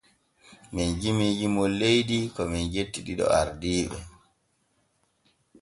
Men jimii jimol leydi ko men jetti ɗiɗo ardiiɓe.